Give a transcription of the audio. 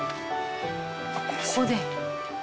「ここで」